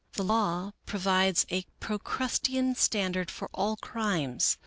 The law provides a Procrustean standard for all crimes.